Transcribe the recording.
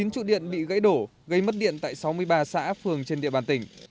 chín trụ điện bị gãy đổ gây mất điện tại sáu mươi ba xã phường trên địa bàn tỉnh